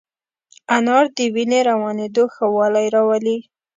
انار د وینې روانېدو ښه والی راولي.